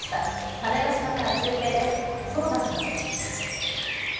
種子島から中継です、園田さん。